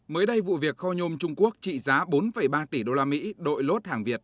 mới đây vụ việc kho nhôm trung quốc trị giá bốn ba tỷ đô la mỹ đội lốt hàng việt